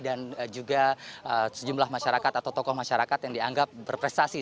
dan juga sejumlah masyarakat atau tokoh masyarakat yang dianggap berprestasi